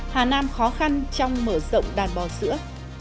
hà nam khó khăn trong mở rộng đàn bò sữa